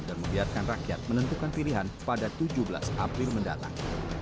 dan membiarkan rakyat menentukan pilihan pada tujuh belas april mendatang